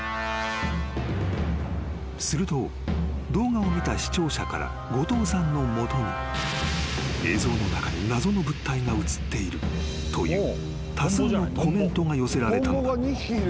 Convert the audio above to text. ［すると動画を見た視聴者から後藤さんの元に映像の中に謎の物体が映っているという多数のコメントが寄せられたのだ］